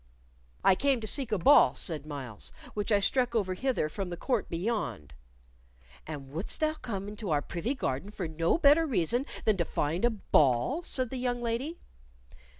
"I came to seek a ball," said Myles, "which I struck over hither from the court beyond." "And wouldst thou come into our privy garden for no better reason than to find a ball?" said the young lady.